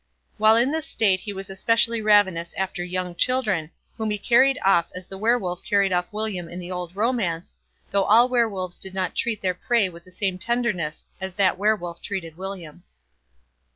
While in this state he was especially ravenous after young children, whom he carried off as the were wolf carried off William in the old romance, though all were wolves did not treat their prey with the same tenderness as that were wolf treated William.